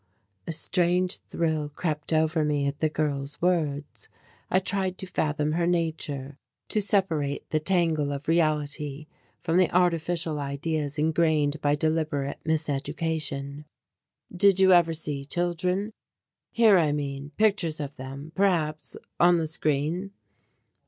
A strange thrill crept over me at the girl's words. I tried to fathom her nature, to separate the tangle of reality from the artificial ideas ingrained by deliberate mis education. "Did you ever see children? Here, I mean. Pictures of them, perhaps, on the screen?"